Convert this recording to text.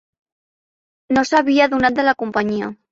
No s'havia adonat de la companyia.